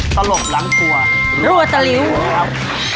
ตลบหลังครัวรัวตะลิ้วครับ